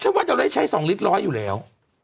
ว่าเราได้ใช้๒ลิตรร้อยอยู่แล้ว